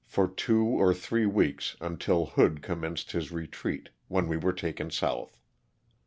for two or three weeks until Hood commenced his retreat, when we were taken south.